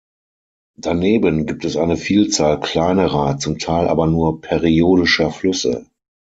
Daneben gibt es eine Vielzahl kleinerer, zum Teil aber nur periodischer Flüsse.